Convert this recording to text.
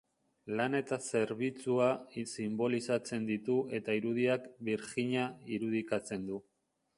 Lana eta zerbitzua sinbolizatzen ditu eta irudiak birjina irudikatzen du.